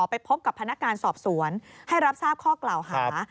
ไปพบกับพนักงานสอบสวนให้รับทราบข้อกล่าวหา